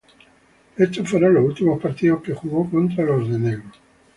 Estos fueron los últimos partidos que jugó contra los de negro.